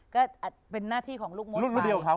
ก็เป็นหน้าที่ของลูกมดไป